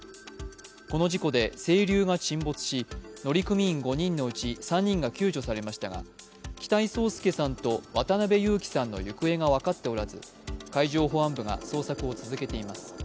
この事故で「せいりゅう」が沈没し、乗組員５人のうち３人が救助されましたが、北井宗祐さんと渡辺侑樹さんの行方が分かっておらず海上保安部が捜索を続けています。